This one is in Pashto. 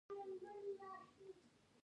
د خلکو همکاري ولې مهمه ده؟